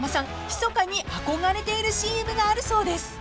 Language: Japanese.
ひそかに憧れているＣＭがあるそうです］